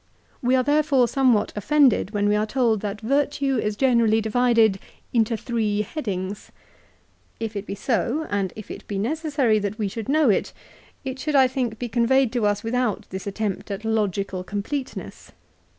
We are therefore somewhat offended when we are told that virtue is generally divided " into three headings." 1 If it be so, and if it be necessary that we should know it, it should, I think, be conveyed to us without this attempt at logical completeness.